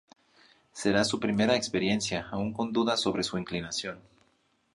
Será su primera experiencia, aún con dudas sobre su inclinación.